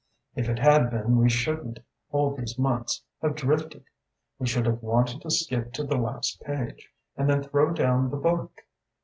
If it had been we shouldn't, all these months, have drifted. We should have wanted to skip to the last page and then throw down the book.